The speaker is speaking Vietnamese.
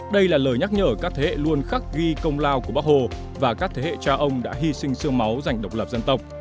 đây là lời nhắc nhở các thế hệ luôn khắc ghi công lao của bác hồ và các thế hệ cha ông đã hy sinh sương máu dành độc lập dân tộc